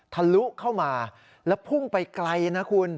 ทะลุเข้ามาแล้วพุ่งไปไกลนะคุณ